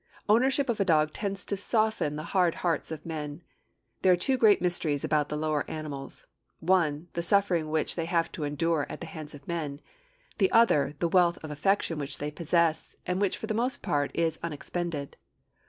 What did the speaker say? Ownership of a dog tends to soften the hard hearts of men. There are two great mysteries about the lower animals: one, the suffering which they have to endure at the hands of man; the other, the wealth of affection which they possess, and which for the most part is unexpended.